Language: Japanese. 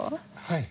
はい。